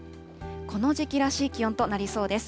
この時期らしい気温となりそうです。